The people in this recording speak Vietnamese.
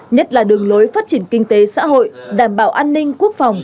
nhất là đường lối phát triển kinh tế xã hội đảm bảo an ninh